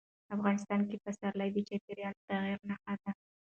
افغانستان کې پسرلی د چاپېریال د تغیر نښه ده.